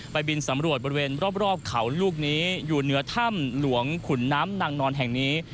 บินสำรวจบริเวณรอบเขาลูกนี้อยู่เหนือถ้ำหลวงขุนน้ำนางนอนแห่งนี้